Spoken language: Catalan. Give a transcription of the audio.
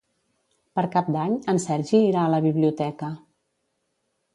Per Cap d'Any en Sergi irà a la biblioteca.